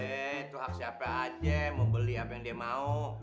itu hak siapa aja mau beli apa yang dia mau